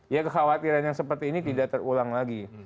ya kekhawatiran yang seperti ini tidak terulang lagi